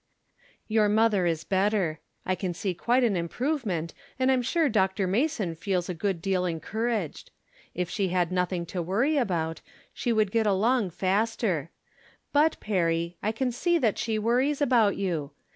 Your mother is better. I can see quite an improvement, and I'm sure Dr. Mason feels a good deal encour aged. If she had nothing to worry about, she would get along faster ; but. Perry, I can see that she worries about you.